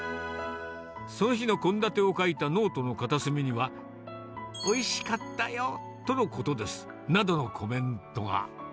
その日の献立を書いたノートの片隅には、おいしかったよーとのことです。などのコメントが。